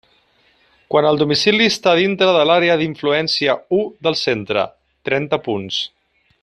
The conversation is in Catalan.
Quan el domicili està dintre de l'àrea d'influència u del centre: trenta punts.